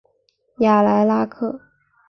雅莱拉克。